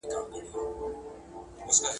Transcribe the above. یا مي مړ له دې غوجل څخه بهر کړې ,